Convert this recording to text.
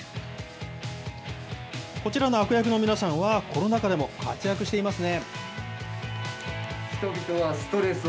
こちらの悪役の皆さんはコロナ禍でも活躍していますね。